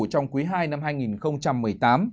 trong quý ii năm hai nghìn một mươi tám